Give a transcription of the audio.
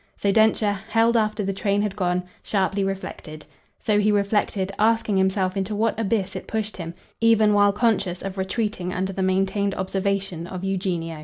So Densher, held after the train had gone, sharply reflected; so he reflected, asking himself into what abyss it pushed him, even while conscious of retreating under the maintained observation of Eugenio.